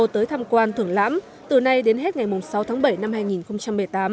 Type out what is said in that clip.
tới tham quan thưởng lãm từ nay đến hết ngày sáu tháng bảy năm hai nghìn một mươi tám